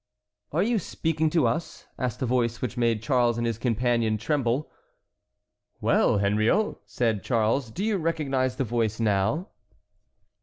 "Are you speaking to us?" asked a voice which made Charles and his companion tremble. "Well, Henriot," said Charles, "do you recognize the voice now?"